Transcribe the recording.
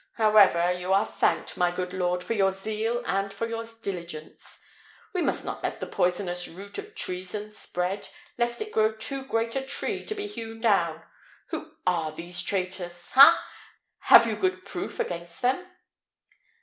However, you are thanked, my good lord, for your zeal and for your diligence. We must not let the poisonous root of treason spread, lest it grow too great a tree to be hewn down. Who are these traitors? Ha! Have you good proof against them?"